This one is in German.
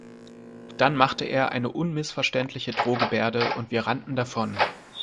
Dann machte er eine unmissverständliche Drohgebärde und wir rannten davon.